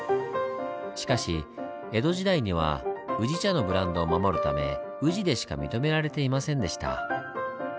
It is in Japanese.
しかし江戸時代には宇治茶のブランドを守るため宇治でしか認められていませんでした。